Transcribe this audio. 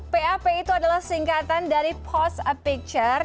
pap itu adalah singkatan dari post a picture